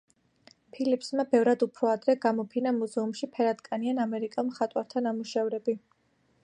ფილიპსმა ბევრად უფრო ადრე გამოფინა მუზეუმში ფერადკანიან ამერიკელ მხატვართა ნამუშევრები.